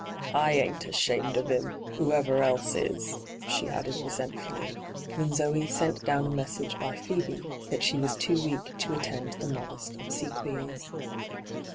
' I ain't ashamed of 'im, whoever else is/ she added resentfully, when Zoe sent down a message by Fhcebe that she was too weak to attend the modest obsequies.